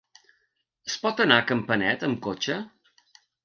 Es pot anar a Campanet amb cotxe?